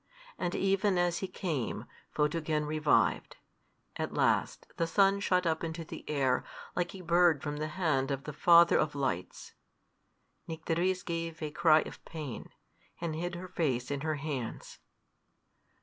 And even as he came, Photogen revived. At last the sun shot up into the air, like a bird from the hand of the Father of Lights. Nycteris gave a cry of pain, and hid her face in her hands.